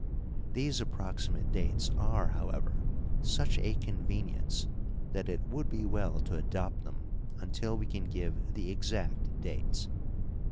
These approximate dates are, however, such a convenience that it would be well to adopt them until we can give the exact dates.